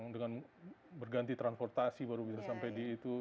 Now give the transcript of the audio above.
dengan berganti transportasi baru bisa sampai di itu